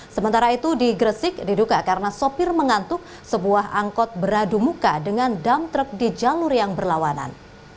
sementara itu di gresik diduga karena sopir mengantuk sebuah angkot beradu muka dengan dam truk di jalur yang berlawanan